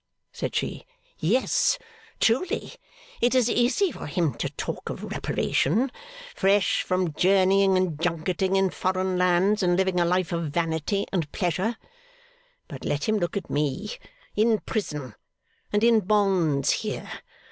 said she. 'Yes, truly! It is easy for him to talk of reparation, fresh from journeying and junketing in foreign lands, and living a life of vanity and pleasure. But let him look at me, in prison, and in bonds here.